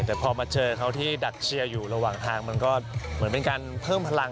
แต่พอมาเจอเขาที่ดักเชียร์อยู่ระหว่างทางมันก็เหมือนเป็นการเพิ่มพลัง